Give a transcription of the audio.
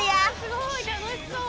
「すごい楽しそう」